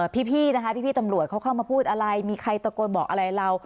พี่นะคะพี่ตำรวจเขาเข้ามาพูดอะไรมีใครตะโกนบอกอะไรเรา